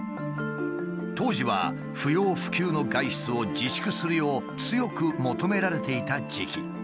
当時は不要不急の外出を自粛するよう強く求められていた時期。